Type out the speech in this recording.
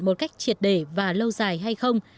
một cách triệt đề và lâu dài hay không